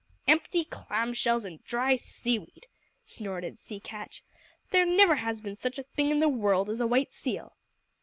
"Empty clam shells and dry seaweed!" snorted Sea Catch. "There never has been such a thing in the world as a white seal."